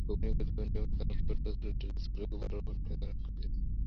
খুবই নিখুঁতভাবে নির্মাতা অনেক ছোট ছোট ডিটেইলস গুলোকেও বড় ঘটনার সাথে কানেক্ট করে দিয়েছেন।